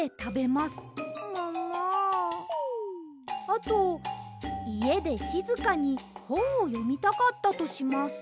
あといえでしずかにほんをよみたかったとします。